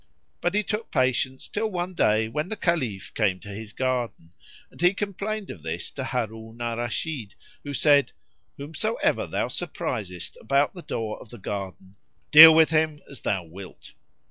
[FN#43] But he took patience till one day when the Caliph came to his garden; and he complained of this to Harun al Rashid who said, "Whomsoever thou surprisest about the door of the garden, deal with him as thou wilt."